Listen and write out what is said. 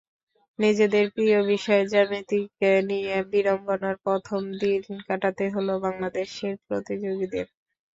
নিজেদের প্রিয় বিষয় জ্যামিতিকে নিয়ে বিড়ম্বনায় প্রথম দিন কাটাতে হলো বাংলাদেশের প্রতিযোগীদের।